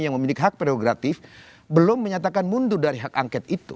yang memiliki hak prerogatif belum menyatakan mundur dari hak angket itu